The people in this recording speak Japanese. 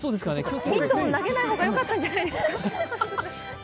ミトン、投げない方がよかったんじゃないですか？